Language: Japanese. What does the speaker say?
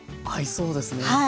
合いそうですね。